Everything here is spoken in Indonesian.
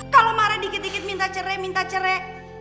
kalau marah dikit dikit minta cerai minta cerek